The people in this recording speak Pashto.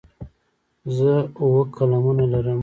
زه اووه قلمونه لرم.